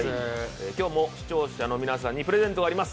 今日も視聴者の皆さんにプレゼントがあります。